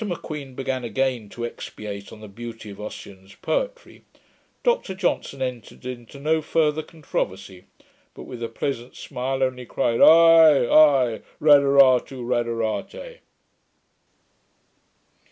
] When Mr M'Queen began again to expatiate on the beauty of Ossian's poetry, Dr Johnson entered into no further controversy, but, with a pleasant smile, only cried, 'Ay, ay; Radaratoo, radarate.'